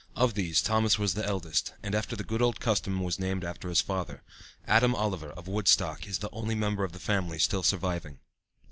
Of these Thomas was the eldest, and after the good old custom was named after his father. Adam Oliver, of Woodstock, is the only member of the family still surviving.